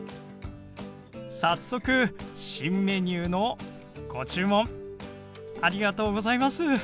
早速新メニューのご注文ありがとうございます！